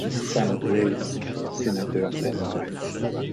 Sam Graves, sénateur au congrès.